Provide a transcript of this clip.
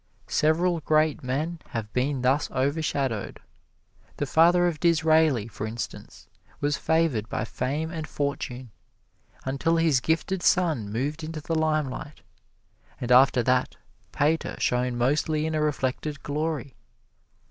Several great men have been thus overshadowed. The father of Disraeli, for instance, was favored by fame and fortune, until his gifted son moved into the limelight, and after that Pater shone mostly in a reflected glory.